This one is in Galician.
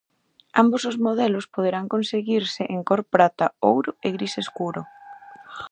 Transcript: Ambos os modelos poderán conseguirse en cor prata, ouro e gris escuro.